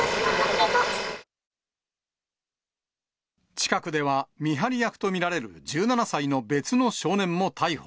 近くでは、見張り役と見られる１７歳の別の少年も逮捕。